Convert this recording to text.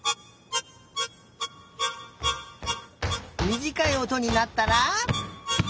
みじかいおとになったら。